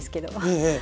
ええ。